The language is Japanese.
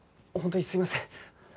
本当にすいません。